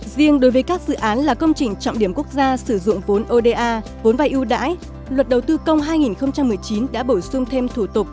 riêng đối với các dự án là công trình trọng điểm quốc gia sử dụng vốn oda vốn vai ưu đãi luật đầu tư công hai nghìn một mươi chín đã bổ sung thêm thủ tục